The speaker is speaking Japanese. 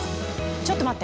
ちょっと待って！